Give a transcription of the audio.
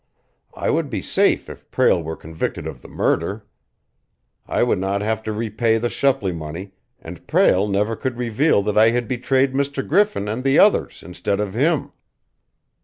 I would be safe if Prale were convicted of the murder. I would not have to repay the Shepley money, and Prale never could reveal that I had betrayed Mr. Griffin and the others instead of him.